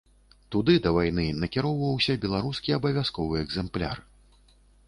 Туды да вайны накіроўваўся беларускі абавязковы экзэмпляр.